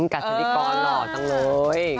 กัสดิกรหล่อจังเลย